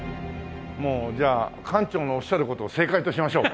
もうじゃあ館長のおっしゃる事を正解としましょう。